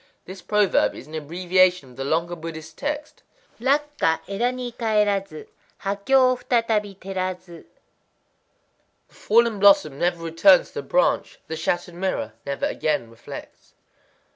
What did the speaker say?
—This proverb is an abbreviation of the longer Buddhist text: Rakkwa éda ni kaerazu; ha kyō futatabi terasazu: "The fallen blossom never returns to the branch; the shattered mirror never again reflects."